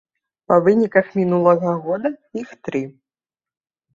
Па выніках мінулага года іх тры.